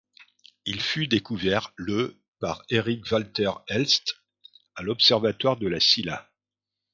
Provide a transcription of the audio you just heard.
Il fut découvert le par Eric Walter Elst à l'observatoire de La Silla.